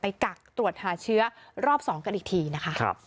กักตรวจหาเชื้อรอบ๒กันอีกทีนะคะ